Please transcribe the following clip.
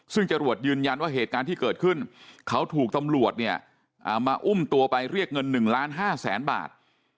ซึ่งจรวดยืนยันว่าเหตุการณ์ที่เกิดขึ้นเขาถูกตำรวจเนี่ยมาอุ้มตัวไปเรียกเงิน๑ล้าน๕แสนบาท